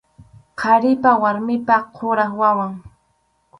Qharipa warmipa kuraq wawan.